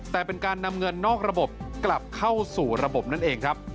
แต่เป็นการนำเงินนอกระบบกลับเข้าสู่ระบบนั่นเองครับ